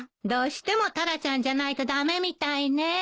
どうしてもタラちゃんじゃないと駄目みたいね。